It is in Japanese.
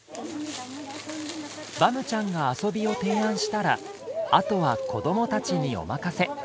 バムちゃんが遊びを提案したらあとは子どもたちにお任せ。